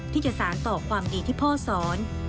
ที่จะสารต่อความดีที่พ่อสอน